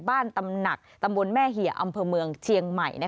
ตำหนักตำบลแม่เหี่ยอำเภอเมืองเชียงใหม่